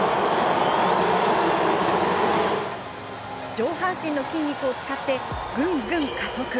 上半身の筋肉を使ってグングン加速。